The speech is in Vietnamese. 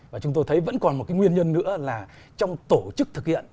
và chúng tôi thấy vẫn còn một cái nguyên nhân nữa là trong tổ chức thực hiện